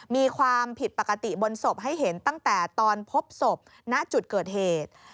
มีความผิดปกติบนศพให้เห็นตั้งแต่ตอนพบศพณจุดเกิดเหตุ